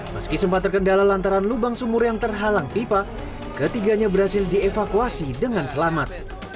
meski sempat terkendala lantaran lubang sumur yang terhalang pipa ketiganya berhasil dievakuasi dengan selamat